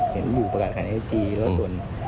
เห็นหนูประกาศขายในไอจีแล้วส่วน